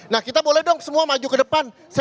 nah kita boleh dong semua maju ke depan